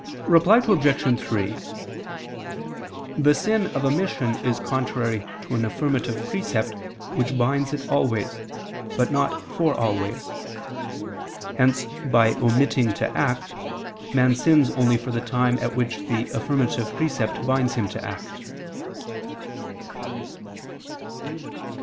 Reply Obj. 3: The sin of omission is contrary to an affirmative precept which binds always, but not for always. Hence, by omitting to act, a man sins only for the time at which the affirmative precept binds him to act.